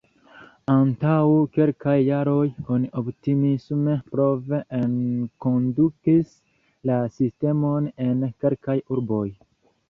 Antaŭ kelkaj jaroj oni optimisme prov-enkondukis la sistemon en kelkaj urboj.